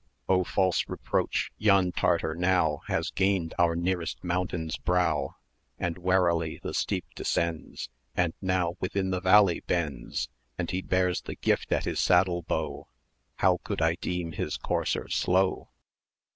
700 Oh, false reproach! yon Tartar now Has gained our nearest mountain's brow, And warily the steep descends, And now within the valley bends;[dr] And he bears the gift at his saddle bow How could I deem his courser slow?